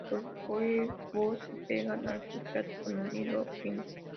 Los huevos se pegan al sustrato con un hilo fino.